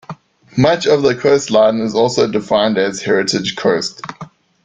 Much of the coastline is also defined as heritage coast.